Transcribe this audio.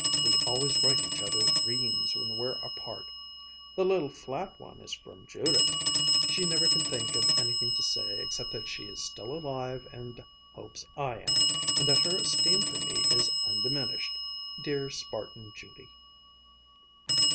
We always write each other reams when we're apart. The little flat one is from Judith. She never can think of anything to say except that she is still alive and hopes I am, and that her esteem for me is undiminished. Dear Spartan Judy!"